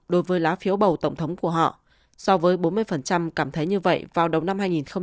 đối với lá phiếu bầu tổng thống của họ so với bốn mươi cảm thấy như vậy vào đống năm hai nghìn hai mươi